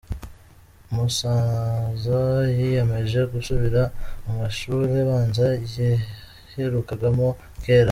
Umusaza yiyemeje gusubira mu mashuri abanza yaherukagamo kera